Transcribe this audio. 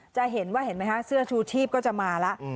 จะเห็นว่าเห็นไหมคะเสื้อชูชีพก็จะมาแล้ว